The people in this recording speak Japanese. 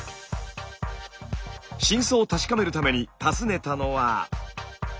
真相を確かめるために訪ねたのは。